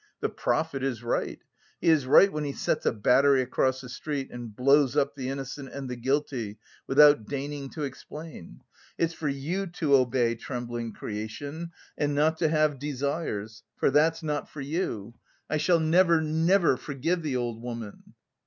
The 'prophet' is right, he is right when he sets a battery across the street and blows up the innocent and the guilty without deigning to explain! It's for you to obey, trembling creation, and not to have desires, for that's not for you!... I shall never, never forgive the old woman!"